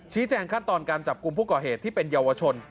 แจ้งขั้นตอนการจับกลุ่มผู้ก่อเหตุที่เป็นเยาวชน